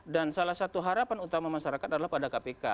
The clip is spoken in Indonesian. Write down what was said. dan salah satu harapan utama masyarakat adalah pada kpk